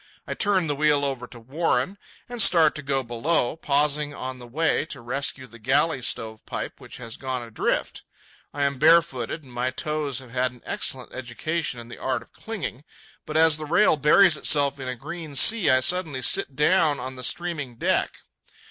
I turn the wheel over to Warren and start to go below, pausing on the way to rescue the galley stovepipe which has gone adrift. I am barefooted, and my toes have had an excellent education in the art of clinging; but, as the rail buries itself in a green sea, I suddenly sit down on the streaming deck.